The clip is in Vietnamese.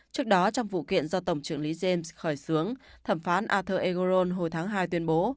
trước đó trong vụ kiện do tổng trưởng lý james khởi xướng thẩm phán ather egoron hồi tháng hai tuyên bố